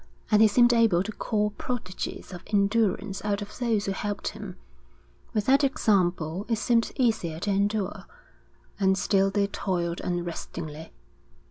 And he seemed able to call prodigies of endurance out of those who helped him; with that example it seemed easier to endure. And still they toiled unrestingly.